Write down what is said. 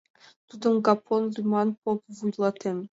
Тудым Гапон лӱман поп вуйлатен.